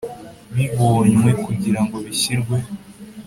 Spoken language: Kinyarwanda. Bibonywe kugira ngo bishyirwe